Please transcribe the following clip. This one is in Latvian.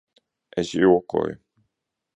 Es jokoju.